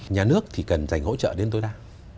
nhà nước thì cần dành hỗ trợ đến tối đa